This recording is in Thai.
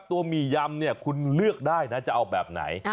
หมี่ยำเนี่ยคุณเลือกได้นะจะเอาแบบไหน